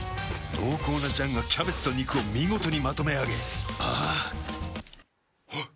濃厚な醤がキャベツと肉を見事にまとめあげあぁあっ。